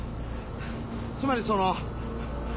つまりその。